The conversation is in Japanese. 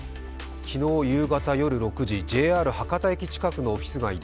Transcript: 昨日夕方夜６時ＪＲ博多駅近くのオフィス街で